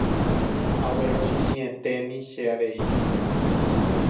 aguerochichĩetémi che avei chupe